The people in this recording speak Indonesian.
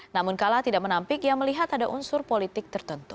namun kala tidak menampik ia melihat ada unsur politik tertentu